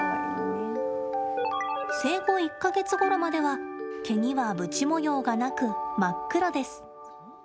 生後１か月ごろまでは毛には、ぶち模様がなく真っ黒です。